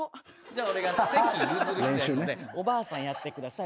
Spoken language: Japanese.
おばあさんやってください。